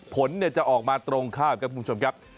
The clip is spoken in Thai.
ผลจะออกมาตรงข้ามครับคุณผู้ชมครับ